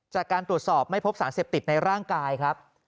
จากการตรวจสอบไม่พบสารเสพติดในร่างกายครับ